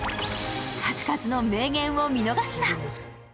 数々の名言を見逃すな。